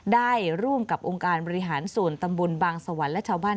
ได้ร่วมกับองค์การบริหารส่วนตำบลบางสวรรค์และชาวบ้าน